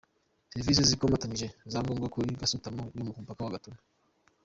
serivisi zikomatanyije za ngombwa kuri Gasutamo yo ku mupaka wa Gatuna.